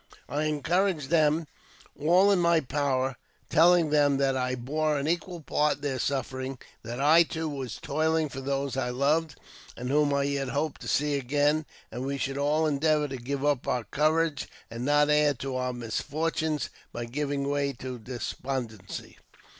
" I encouraged them all in my power, telling them that I bore an equal part in their sufferings ; that I, too, was toiling for those I loved, and whom I yet hoped to see again ; that we should all endeavour to keep up our courage, and not add to our misfortunes by giving way to despondency.